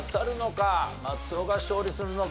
松尾が勝利するのか。